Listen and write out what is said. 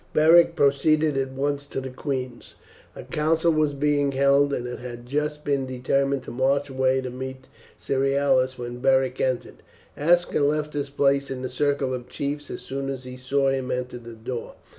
Beric proceeded at once to the queen's. A council was being held, and it had just been determined to march away to meet Cerealis when Beric entered. Aska left his place in the circle of chiefs as soon as he saw him enter the door.